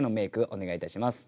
お願いいたします。